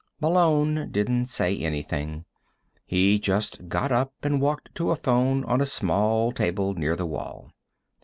Malone didn't say anything. He just got up and walked to a phone on a small table, near the wall.